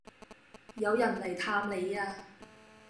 有人黎探你呀